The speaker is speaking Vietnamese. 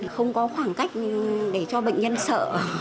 không có khoảng cách để cho bệnh nhân sợ